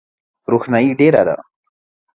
روښنایي ډېره ده .